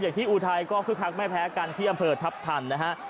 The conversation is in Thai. ที่อุทัยก็คึกคักไม่แพ้กันที่อำเภอทัพทันนะฮะ